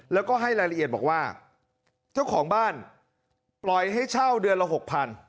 แล้วก็ให้รายละเอียดบอกว่าเจ้าของบ้านปล่อยให้เช่าเดือนละหกพัน